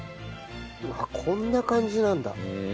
こんな感じなんだ。